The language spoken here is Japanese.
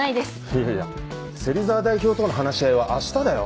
いやいや芹沢代表との話し合いはあしただよ？